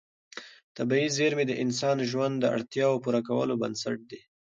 طبیعي زېرمې د انساني ژوند د اړتیاوو پوره کولو بنسټ دي.